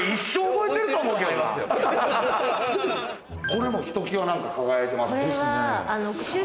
これもひときわ輝いてますね。